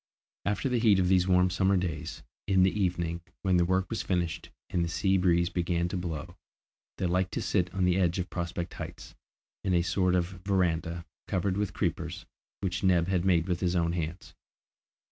After the heat of these warm summer days, in the evening when their work was finished and the sea breeze began to blow, they liked to sit on the edge of Prospect Heights, in a sort of verandah, covered with creepers, which Neb had made with his own hands.